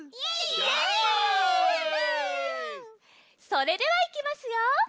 それではいきますよ！